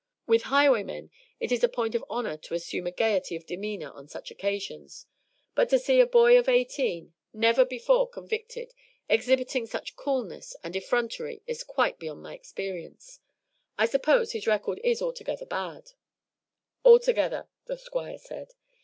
With highwaymen it is a point of honor to assume a gayety of demeanor on such occasions; but to see a boy of eighteen, never before convicted, exhibiting such coolness and effrontery is quite beyond my experience. I suppose his record is altogether bad?" "Altogether," the Squire said.